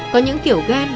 có những kiểu ghen